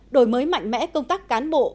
đổi mới mạnh mẽ công tác cán bộ